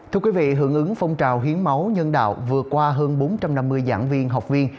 thưa quý vị hưởng ứng phong trào hiến máu nhân đạo vừa qua hơn bốn trăm năm mươi giảng viên học viên